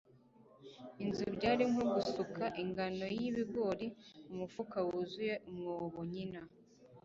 inzu. byari nko gusuka ingano y'ibigori mu mufuka wuzuye umwobo. nyina